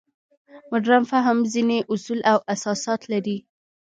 مډرن فهم ځینې اصول او اساسات لري.